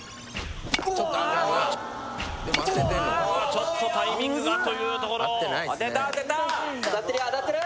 ちょっとタイミングがというところ・当たってるよ当たってる！